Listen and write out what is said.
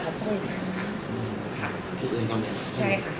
ก็ตั้งแต่เปิดปั๊มค่ะอันนี้เป็นแนตรวัยของพวกเราอย่างนั้นนะครับ